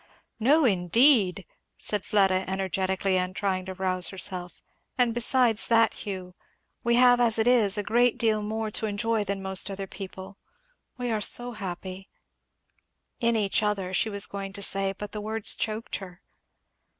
"No, indeed!" said Fleda energetically, and trying to rouse herself; "and besides that, Hugh, we have as it is a great deal more to enjoy than most other people. We are so happy " In each other, she was going to say, but the words choked her.